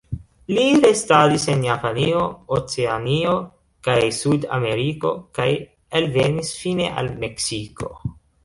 Li restadis en Japanio, Oceanio kaj Sudameriko, kaj alvenis fine al Meksiko.